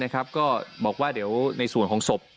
ก็บอกว่าเดี๋ยวในส่วนของศพ